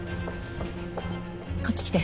こっち来て。